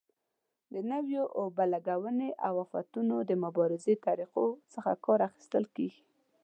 د نویو اوبه لګونې او آفتونو مبارزې طریقو څخه کار اخیستل کېږي.